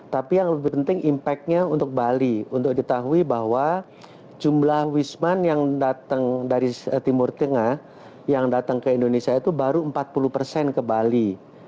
tapi yang lebih penting impact nya untuk bali untuk diketahui bahwa jumlah wisman yang datang dari timur tengah yang datang ke indonesia itu baru empat puluh persen ke bali